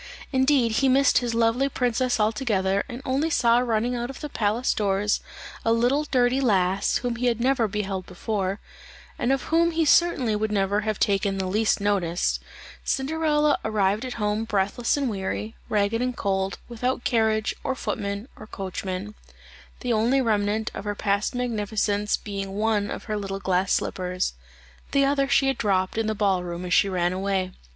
Indeed he missed his lovely princess altogether, and only saw running out of the palace doors a little dirty lass whom he had never beheld before, and of whom he certainly would never have taken the least notice, Cinderella arrived at home breathless and weary, ragged and cold, without carriage, or footmen, or coachman; the only remnant of her past magnificence being one of her little glass slippers; the other she had dropped in the ball room as she ran away.